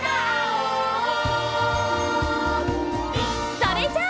それじゃあ！